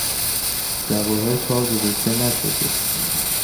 جواهر کار گذاشته نشده